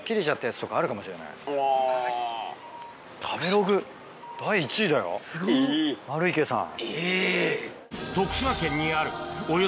食べログ第１位だよ丸池さん。